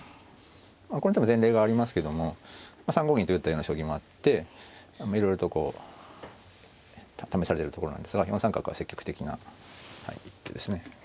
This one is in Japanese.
この手も前例がありますけども３五銀と打ったような将棋もあっていろいろとこう試されるところなんですが４三角は積極的な一手ですね。